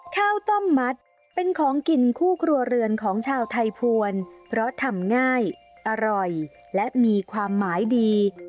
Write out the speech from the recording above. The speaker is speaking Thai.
ข้าวต้มมัดเป็นของกินคู่ครัวเรือนของชาวไทยภวรเพราะทำง่ายอร่อยและมีความหมายดี